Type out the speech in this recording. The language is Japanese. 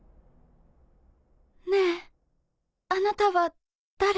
ねぇあなたは誰？